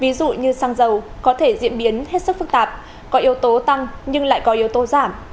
ví dụ như xăng dầu có thể diễn biến hết sức phức tạp có yếu tố tăng nhưng lại có yếu tố giảm